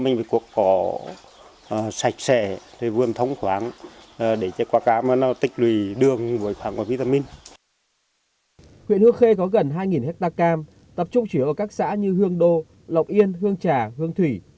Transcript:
huyện hương khê có gần hai hectare cam tập trung chủ yếu ở các xã như hương đô lọc yên hương trà hương thủy